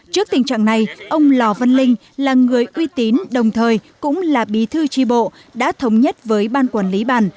trước tình trạng này ông lò văn linh là người uy tín đồng thời cũng là bí thư tri bộ đã thống nhất với ban quản lý bản